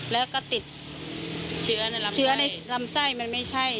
แล้วก็ติดเชื้อในรำไส้มันไม่ใช่